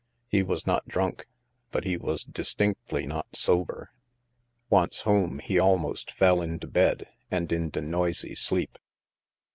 He was not drunk, but he was distinctly not sober. Once home, he almost fell into bed and into noisy sleep.